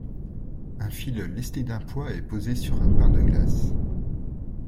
Un fil lesté d'un poids est posé sur un pain de glace.